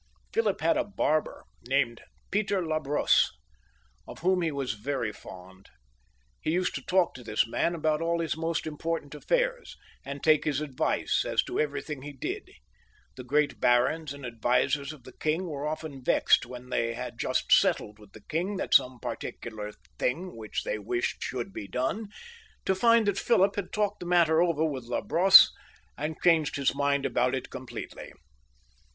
Philip had a barber named Peter la Brosse, of whom he was very fond. He used to talk to this man about all his most important aflfairs, and take his advice as to every thing he did. The great barons and advisers of the king were often vexed when they had just settled with the king that some particular thing for which they wished should be done, to find that Philip had talked the matter over with La Brosse and changed his mind about it completely.